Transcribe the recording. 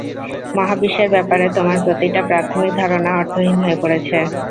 মহাবিশ্বের ব্যাপারে তোমার প্রতিটা প্রাথমিক ধারণা অর্থহীন হয়ে পড়েছে।